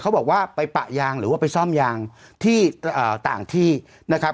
เขาบอกว่าไปปะยางหรือว่าไปซ่อมยางที่ต่างที่นะครับ